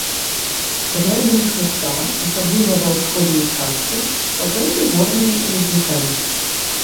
Грэбень хрыбта, асабліва ва ўсходняй частцы, пакрыты горнымі ледавікамі.